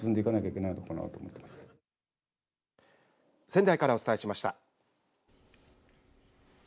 仙台からお伝えしました。